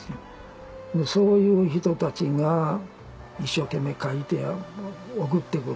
そういう人たちが一生懸命書いて送って来る。